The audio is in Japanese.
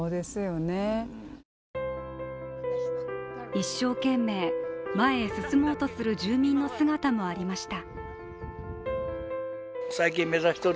一生懸命、前へ進もうとする住民の姿もありました。